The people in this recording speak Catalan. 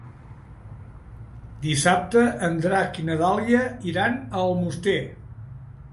Dissabte en Drac i na Dàlia iran a Almoster.